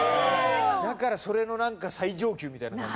だからそれの最上級みたいな感じ。